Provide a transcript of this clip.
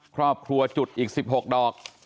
ครอบครัวจุดอีก๑๖ดอก